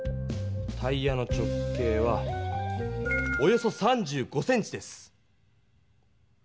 タイヤの直径はおよそ３５ｃｍです。